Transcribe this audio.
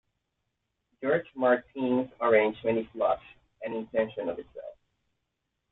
George Martin's arrangement is lush, and intentionally so.